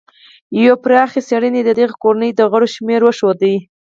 یوې پراخې څېړنې د دغې کورنۍ د غړو شمېر وښود.